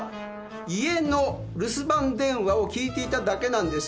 家の留守番電話を聞いていただけなんです。